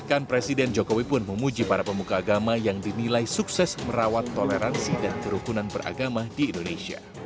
bahkan presiden jokowi pun memuji para pemuka agama yang dinilai sukses merawat toleransi dan kerukunan beragama di indonesia